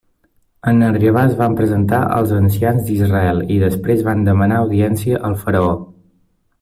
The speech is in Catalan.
En arribar es van presentar als ancians d'Israel i després van demanar audiència al faraó.